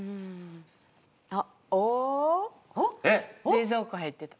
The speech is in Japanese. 冷蔵庫入ってた？